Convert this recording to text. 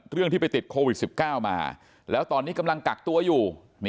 เรื่องที่ไปติดโควิด๑๙มาแล้วตอนนี้กำลังกักตัวอยู่